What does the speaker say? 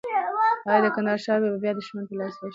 ایا د کندهار ښار به بیا د دښمن لاس ته ورشي؟